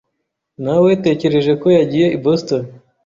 Nawetekereje ko yagiye i Boston.